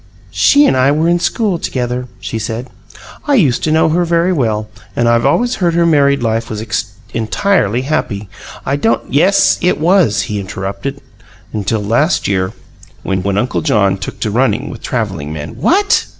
"She and I were in school together," she said. "I used to know her very well, and I've always heard her married life was entirely happy. I don't " "Yes, it was," he interrupted, "until last year when Uncle John took to running with travelling men " "What?"